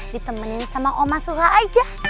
ditemenin sama oma suka aja